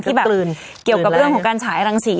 เกี่ยวกับเรื่องของการฉายรังสี